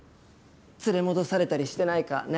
連れ戻されたりしてないかね。